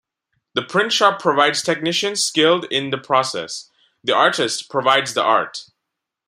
The print shop provides technicians skilled in the process; the artist provides the art.